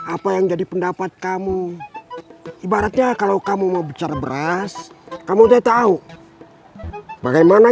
apa yang jadi pendapat kamu ibaratnya kalau kamu mau bicara beras kamu udah tahu bagaimana